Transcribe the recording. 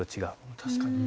確かに。